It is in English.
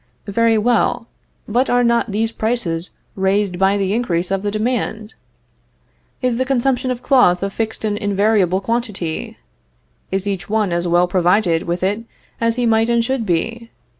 Very well, but are not these prices raised by the increase of the demand? Is the consumption of cloth a fixed and invariable quantity? Is each one as well provided with it as he might and should be?